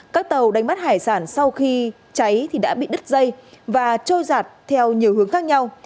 các tàu đánh bắt hải sản sau khi cháy thì đã bị đứt dây và trôi giạt theo nhiều hướng khác nhau